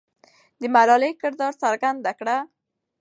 د ملالۍ کردار څرګند کړه.